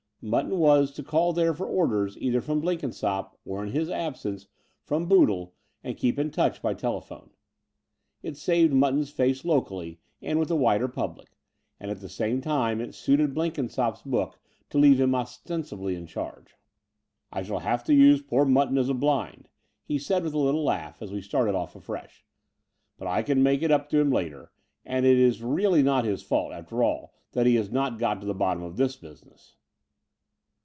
Mutton was to call there for orders either from Blenkinsopp or, in his absence, from Boodle, and keep in touch by telephone. It saved Mutton's face locally and with the wider pubUc; and, at the same time, it suited Blenkinsopp 's book to leave him ostensibly in charge. "I shall have to use poor Mutton as a blind," he said, with a little laugh, as we started off afresh : but I can make it up to him later, as it is really not his fault, after all, that he has not got to the bottom of this business."